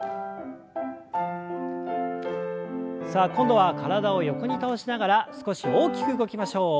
さあ今度は体を横に倒しながら少し大きく動きましょう。